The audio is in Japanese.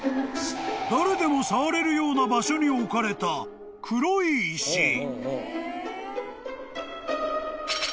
［誰でも触れるような場所に置かれた黒い石］